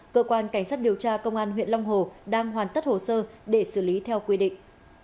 cơ quan cảnh sát điều tra công an huyện long hồ đang hoàn tất hồ sơ để xử lý theo quy định